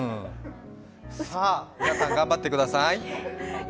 さあ皆さん、頑張ってください。